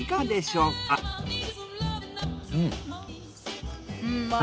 うん。